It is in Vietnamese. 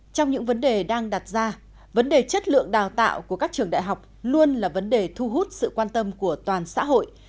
trong những vấn đề đang đặt ra vấn đề chất lượng đào tạo của các trường đại học luôn là vấn đề thu hút sự quan tâm của toàn xã hội